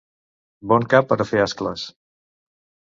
Bon cap per a fer ascles!